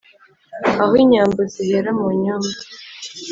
Aho inyambo zihera mu nyumba